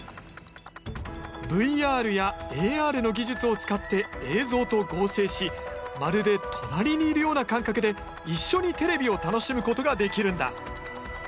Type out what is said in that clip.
ＶＲやＡＲの技術を使って映像と合成しまるで隣にいるような感覚で一緒にテレビを楽しむことができるんだ。